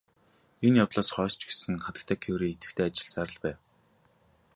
Энэ явдлаас хойш ч гэсэн хатагтай Кюре идэвхтэй ажилласаар л байв.